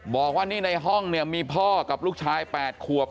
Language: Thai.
บอกว่านี่ในห้องเนี่ยมีพ่อกับลูกชาย๘ขวบ